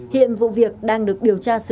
hiện vụ việc đang được điều tra sáng